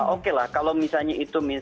oke lah kalau misalnya itu